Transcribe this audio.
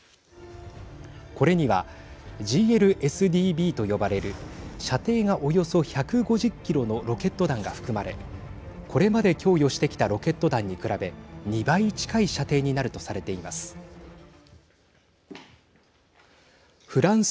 これにはＧＬＳＤＢと呼ばれる射程がおよそ１５０キロのロケット弾が含まれこれまで供与してきたロケット弾に比べ２倍近い射程になるとされています。